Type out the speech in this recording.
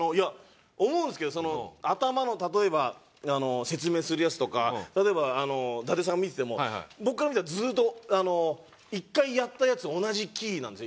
思うんですけど頭の例えば説明するやつとか例えば伊達さん見てても僕から見たらずっと１回やったやつ同じキーなんですよ。